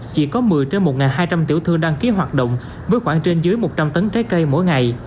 chỉ có một mươi trên một hai trăm linh tiểu thương đăng ký hoạt động với khoảng trên dưới một trăm linh tấn trái cây mỗi ngày